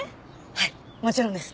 はいもちろんです。